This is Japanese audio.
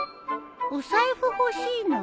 お財布欲しいの？